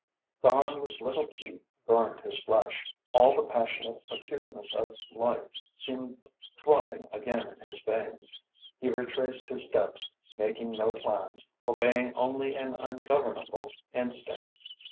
The harmless little key burned his flesh. All the passionate acuteness of life seemed throbbing again in his veins. He retraced his steps, making no plans, obeying only an ungovernable instinct.